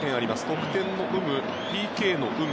得点の有無、ＰＫの有無